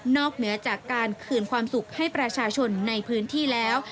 เหนือจากการคืนความสุขให้ประชาชนในพื้นที่แล้ว